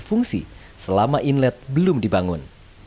fungsi selama inlet belum dibangun